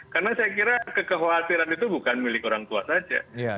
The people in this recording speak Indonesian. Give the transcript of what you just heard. karena saya kira kekhawatiran itu bukan milik orang tua saja